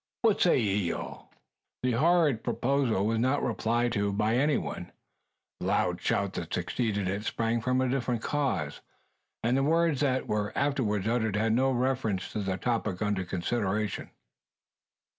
What say ye all?" The horrid proposal was not replied to by anyone. The loud shout that succeeded it sprang from a different cause; and the words that were afterwards uttered had no reference to the topic under consideration.